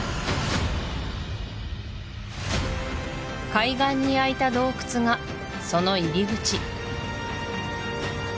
海岸に開いた洞窟がその入り口